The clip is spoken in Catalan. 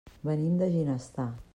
Venim de Ginestar.